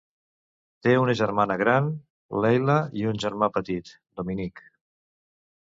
Té una germana gran, Leila, i un germà petit, Dominic.